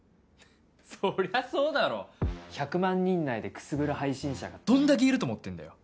そりゃそうだろ１００万人内でくすぶる配信者がどんだけいると思ってんだよ